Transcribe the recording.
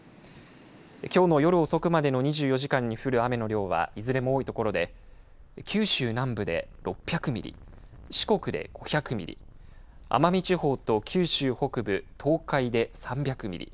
きょうの夜遅くまでの２４時間に降る雨の量はいずれも多い所で九州南部で６００ミリ四国で５００ミリ奄美地方と九州北部、東海で３００ミリ